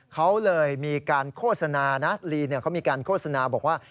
เขาเลยมีการโฆษณานะลีนเขามีการโฆษณาบอกว่า